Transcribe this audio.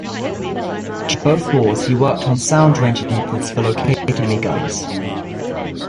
During both wars he worked on sound ranging methods for locating enemy guns.